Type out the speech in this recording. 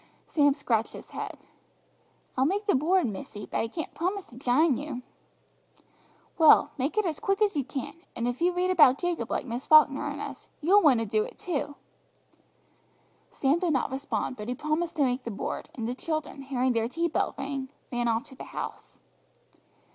Sam scratched his head. "I'll make the board, missy, but I can't promise to jine you." "Well, make it as quick as you can, and if you read about Jacob like Miss Falkner and us, you'll want to do it too!" Sam did not respond, but he promised to make the board, and the children, hearing their tea bell ring, ran off to the house.